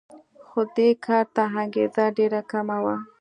خو دې کار ته انګېزه ډېره کمه وه